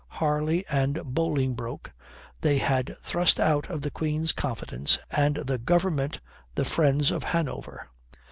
Harley and Bolingbroke, they had thrust out of the Queen's confidence and the government the friends of Hanover.